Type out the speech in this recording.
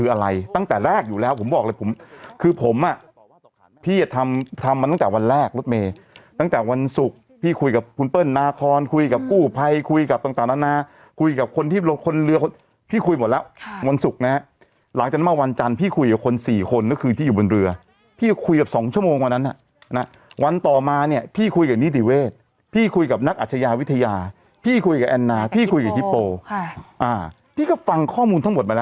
จากรถเมฆตั้งแต่วันศุกร์พี่คุยกับคุณเปิ้ลนาคอนคุยกับกู้ไพคุยกับต่างต่างนะนะคุยกับคนที่คนเรือพี่คุยหมดแล้ววันศุกร์นะฮะหลังจากนั้นมาวันจันทร์พี่คุยกับคนสี่คนก็คือที่อยู่บนเรือพี่คุยกับสองชั่วโมงวันนั้นนะวันต่อมาเนี่ยพี่คุยกับนิติเวทย์พี่คุยกับนักอัชยาวิทยาพี่คุ